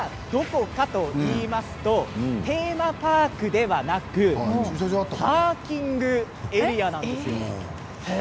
ここが、どこかといいますとテーマパークではなくパーキングエリアなんです。